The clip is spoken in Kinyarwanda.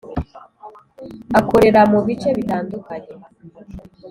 akorera mubice bitandukanye